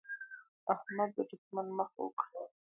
احمد د دوښمن مخه وکړه.